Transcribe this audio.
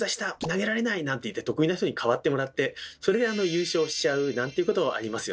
投げられない！」なんて言って得意な人にかわってもらってそれで優勝しちゃうなんていうことありますよね。